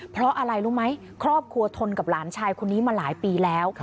เพราะอะไรรู้ไหมครอบครัวทนกับหลานชายคนนี้มาหลายปีแล้ว